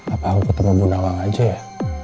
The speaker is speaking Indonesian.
apa aku ketemu bu nawang aja ya